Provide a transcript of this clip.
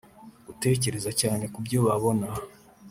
gutekereza cyane kubyo babona